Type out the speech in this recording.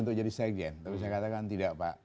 untuk jadi segen tapi saya katakan tidak pak